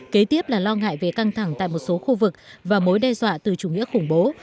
kế tiếp là lo ngại về căng thẳng tại một số khu vực và mối đe dọa từ chủ nghĩa khủng bố